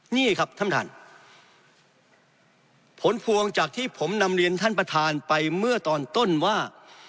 นี่ครับท่านท่านผลพวงจากที่ผมนำเรียนท่านประธานไปเมื่อตอนต้นว่า